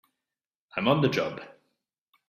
I'm on the job!